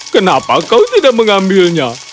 kenapa kau tidak mengambilnya